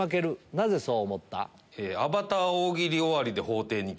なぜそう思った？